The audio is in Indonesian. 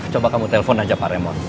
coba kamu telpon aja pak remor